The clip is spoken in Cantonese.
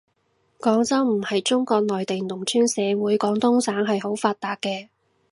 廣州唔係中國內地農村社會，廣東省係好發達嘅